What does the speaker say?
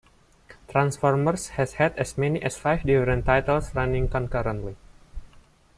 Transformers has had as many as five different titles running concurrently.